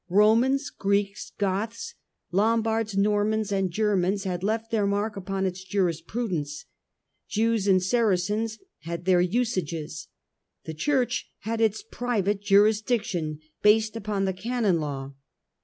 Romans, Greeks, Goths, Lombards, Normans and Germans had left their mark upon its jurisprudence : Jews and Saracens had their usages : the Church had its private jurisdiction, based upon the Canon Law.